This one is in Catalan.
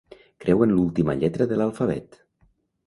Creu en l'última lletra de l'alfabet.